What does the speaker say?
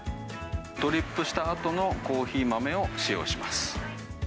ドリップしたあとのコーヒー豆を使用します。